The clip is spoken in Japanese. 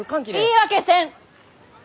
言い訳せん！